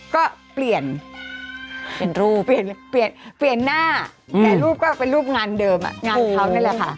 ก็เปลี่ยนเปลี่ยนรูปเปลี่ยนเปลี่ยนหน้าแต่รูปก็เป็นรูปงานเดิมงานเขานั่นแหละค่ะ